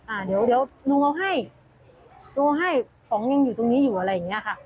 อ่าเดี๋ยวหนุ่มเอาให้หนุ่มเอาให้ของยังอยู่ตรงนี้อยู่อะไรอย่างนี้ค่ะ